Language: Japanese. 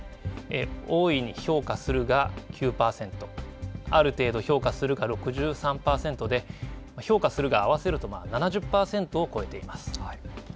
大いに評価するが９％、ある程度評価するが６３％で評価するが合わせると７０％を超えています。